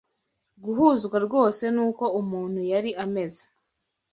guhuzwa rwose n’uko umuntu yari ameze